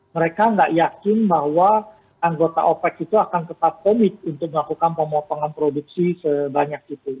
mereka nggak yakin bahwa anggota opex itu akan tetap komit untuk melakukan pemotongan produksi sebanyak itu